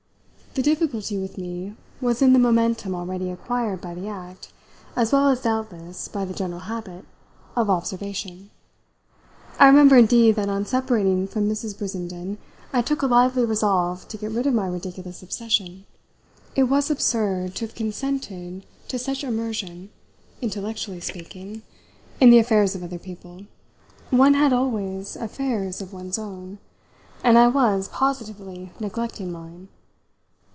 The difficulty with me was in the momentum already acquired by the act as well as, doubtless, by the general habit of observation. I remember indeed that on separating from Mrs. Brissenden I took a lively resolve to get rid of my ridiculous obsession. It was absurd to have consented to such immersion, intellectually speaking, in the affairs of other people. One had always affairs of one's own, and I was positively neglecting mine.